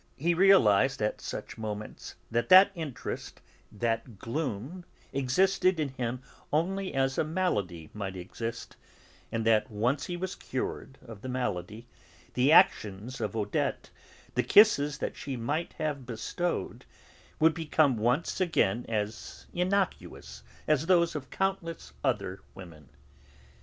He realised, at such moments, that that interest, that gloom, existed in him only as a malady might exist, and that, once he was cured of the malady, the actions of Odette, the kisses that she might have bestowed, would become once again as innocuous as those of countless other women.